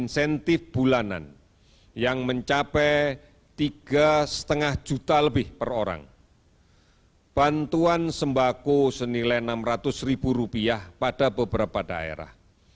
setengah juta lebih per orang bantuan sembako senilai rp enam ratus ribu pada beberapa daerah